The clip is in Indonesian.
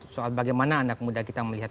soal bagaimana anak muda kita melihat